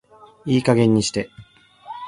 いい加減にして